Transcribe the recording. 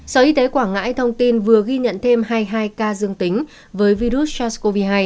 sở y tế quảng ngãi thông tin vừa ghi nhận thêm hai mươi hai ca dương tính với virus sars cov hai